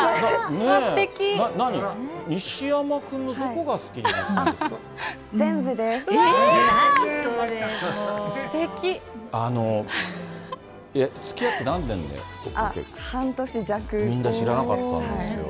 何、西山君のどこが好きになったんですか。